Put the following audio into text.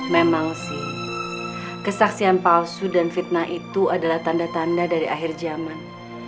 memang sih kesaksian palsu dan fitnah itu adalah tanda tanda dari akhir zaman